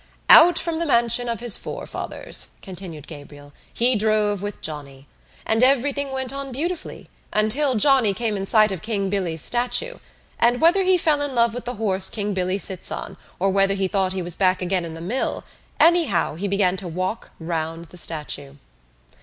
"Out from the mansion of his forefathers," continued Gabriel, "he drove with Johnny. And everything went on beautifully until Johnny came in sight of King Billy's statue: and whether he fell in love with the horse King Billy sits on or whether he thought he was back again in the mill, anyhow he began to walk round the statue."